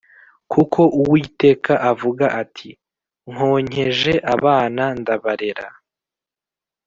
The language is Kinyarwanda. kuko Uwiteka avuga ati Nonkeje abana ndabarera